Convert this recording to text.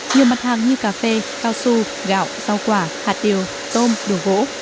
nhiều mặt hàng như cà phê cao su gạo rau quả hạt tiều tôm đường gỗ